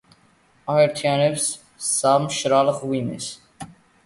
აერთიანებს სამ მშრალ მღვიმეს.